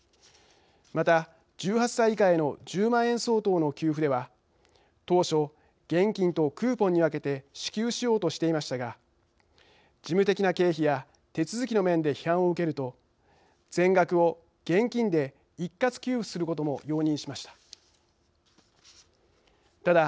また、１８歳以下への１０万円相当の給付では当初、現金とクーポンに分けて支給しようとしていましたが事務的な経費や手続きの面で批判を受けると、全額を現金で一括給付することも容認しました。